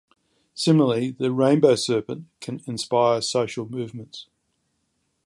Similarly, the Rainbow Serpent can inspire social movements.